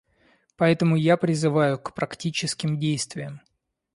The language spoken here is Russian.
Поэтому я призываю к практическим действиям.